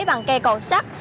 bằng cây cầu sắt